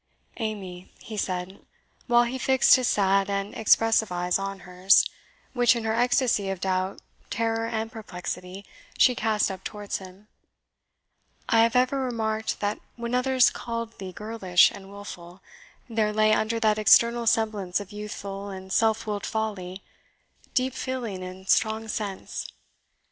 "Amy," he said, while he fixed his sad and expressive eyes on hers, which, in her ecstasy of doubt, terror, and perplexity, she cast up towards him, "I have ever remarked that when others called thee girlish and wilful, there lay under that external semblance of youthful and self willed folly deep feeling and strong sense.